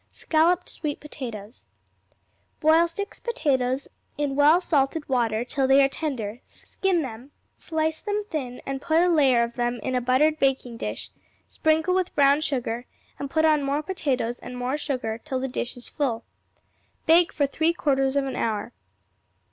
Scalloped Sweet Potatoes Boil six potatoes in well salted water till they are tender; skin them, slice them thin, and put a layer of them in a buttered baking dish; sprinkle with brown sugar, and put on more potatoes and more sugar till the dish is full. Bake for three quarters of an hour.